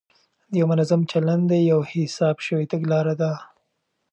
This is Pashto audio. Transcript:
دا یو منظم چلند دی، یوه حساب شوې تګلاره ده،